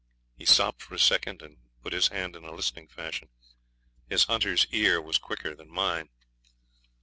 He stopped for a second and put his hand in a listening fashion. His hunter's ear was quicker than mine.